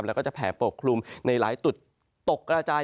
แล้วก็จะแผ่ปกคลุมในหลายจุดตกกระจาย